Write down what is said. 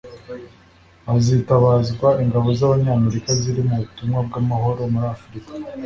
hazitabazwa ingabo z’Abanyamerika ziri mu butumwa bw’amahoro muri Afurika